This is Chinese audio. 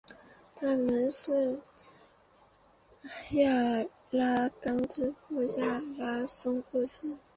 他们是亚拉冈之父亚拉松二世。